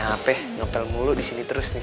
hape nopel mulu di sini terus nih